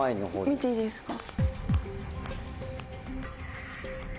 見ていいですか？